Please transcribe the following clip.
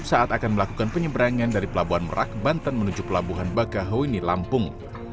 saat akan melakukan penyeberangan dari pelabuhan merak banten menuju pelabuhan bakahoini lampung